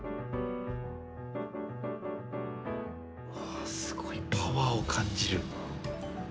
わあすごいパワーを感じる。